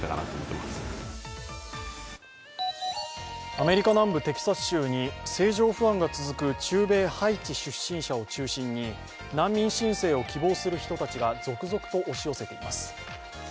アメリカ南部テキサス州に政情不安が続く中米ハイチ出身者を中心に難民申請を希望する人たちが続々と押し寄せています。